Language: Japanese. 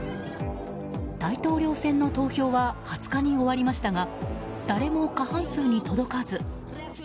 大統領選の投票は２０日に終わりましたが誰も過半数に届かず。